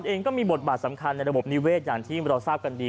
เองก็มีบทบาทสำคัญในระบบนิเวศอย่างที่เราทราบกันดี